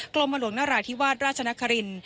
กรมหลวงนราธิวาสราชนคริน